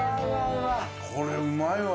これ、うまいわ。